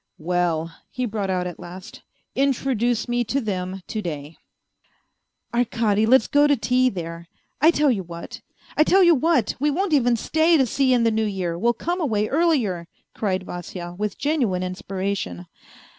" Well," he brought out at last. " Introduce me to them to day." A FAINT HEART 166 " Arkady, let us go to tea there. I tell you what, I tell you what. We won't even stay to see in the New Year, we'll come away earlier," cried Vasya, with genuine inspiration.